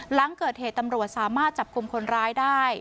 หลังเกิดเหตุตำรวจสามารถจับกลุ่มคนร้ายได้